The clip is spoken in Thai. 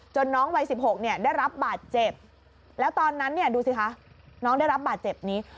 จนน้องวัยสิบหกได้รับบาดเจ็บแล้วตอนนั้นดูสิคะน้องได้รับบาดเจ็บนี้